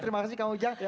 terima kasih kang ujang